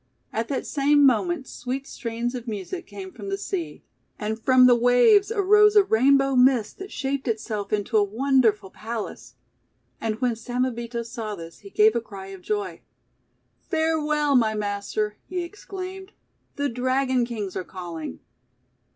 At that same moment sweet strains of music "" 238 THE WONDER GARDEN came from the sea. And from the waves arose a Rainbow mist that shaped itself into a wonderful palace. And when Samebito saw this he gave a cry of joy. :' Farewell, my master!" he exclaimed. "The Dragon Kings are calling!'